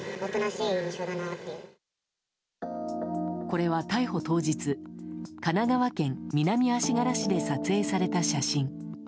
これは逮捕当日神奈川県南足柄市で撮影された写真。